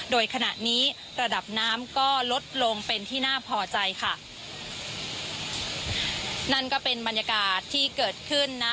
โดยขณะนี้ระดับน้ำก็ลดลงเป็นที่น่าพอใจค่ะนั่นก็เป็นบรรยากาศที่เกิดขึ้นนะ